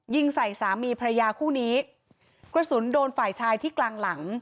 ยิงใส่สามีพระยาคู่นี้กระสุนโดนฝ่ายชายที่กลางหลัง